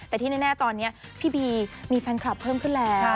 แต่ที่แน่ตอนนี้พี่บีมีแฟนคลับเพิ่มขึ้นแล้ว